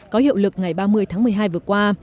có hiệu lực ngày ba mươi tháng một mươi hai vừa qua